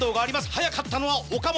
早かったのは岡本。